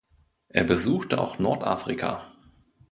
Er besuchte auch Nordafrika.